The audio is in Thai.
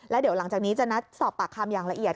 แล้วเดี๋ยวหลังจากนี้จะนัดสอบปากคำอย่างละเอียด